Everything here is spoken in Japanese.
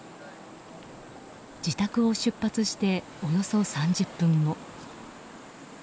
自宅を出発しておよそ３０分後。